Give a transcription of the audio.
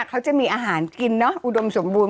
เขาจะมีอาหารกินเนอะอุดมสมบูรณ